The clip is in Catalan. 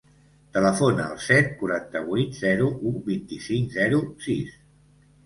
Telefona al set, quaranta-vuit, zero, u, vint-i-cinc, zero, sis.